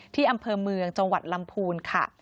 ที่อำเภอเมืองจังหวัดลำพูนค่ะ